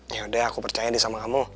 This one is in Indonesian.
ya udah aku percaya nih sama kamu